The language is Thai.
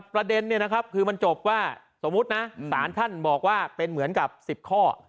ประเด็นเนี่ยนะครับคือมันจบว่าสมมุตินะสารท่านบอกว่าเป็นเหมือนกับ๑๐ข้อ